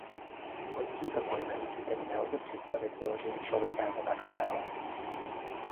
Pod tímto pojmem si tedy nelze představit vyloženě člověka jako takového.